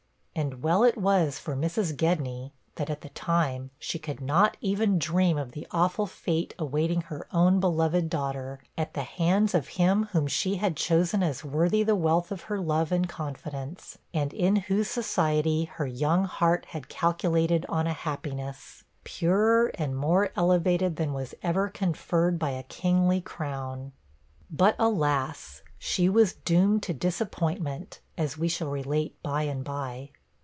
And well it was for Mrs. Gedney, that, at that time, she could not even dream of the awful fate awaiting her own beloved daughter, at the hands of him whom she had chosen as worthy the wealth of her love and confidence, and in whose society her young heart had calculated on a happiness, purer and more elevated than was ever conferred by a kingly crown. But, alas! she was doomed to disappointment, as we shall relate by and by.